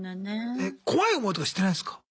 え怖い思いとかしてないんすか？